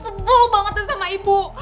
sebel banget tuh sama ibu